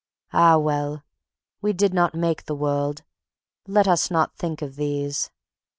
Ah, well! we did not make the world; let us not think of these.